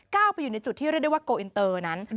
ไปอยู่ในจุดที่เรียกได้ว่าโกอินเตอร์นั้น